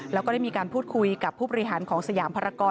แล้วก็ได้มีการพูดคุยกับผู้บริหารของสยามภารกร